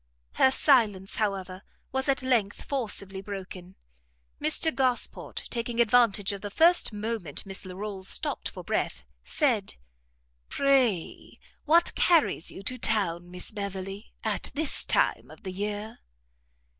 Her silence, however, was at length forcibly broken; Mr Gosport, taking advantage of the first moment Miss Larolles stopt for breath, said, "Pray what carries you to town, Miss Beverley, at this time of the year?"